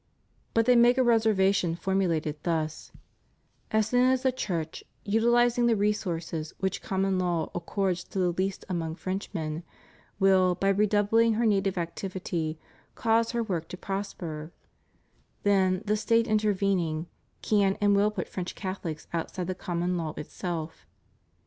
But they make a reservation formulated thus: As soon as the Church, utihzing the resources which common law accords to the least among Frenchmen, will, by redoubhng her native activity, cause her work to prosper, then the State intervening, can and will put French Catholics outside the common law itself.